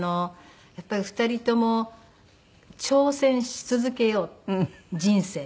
やっぱり２人とも挑戦し続けよう人生生きる事に。